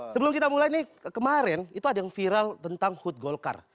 sebelum kita mulai nih kemarin itu ada yang viral tentang hut golkar